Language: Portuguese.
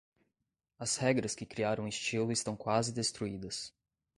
As regras que criaram o estilo estão quase destruídas.